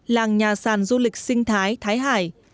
làng nhà sàn du lịch sinh thái thái hải